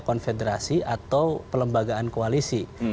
konfederasi atau pelembagaan koalisi